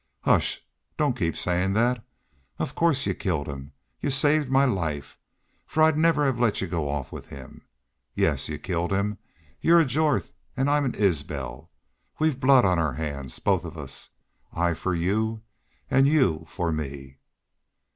... Hush! don't keep sayin' that. Of course you killed him. You saved my life. For I'd never have let you go off with him .... Yes, you killed him.... You're a Jorth an' I'm an Isbel ... We've blood on our hands both of us I for you an' you for me!"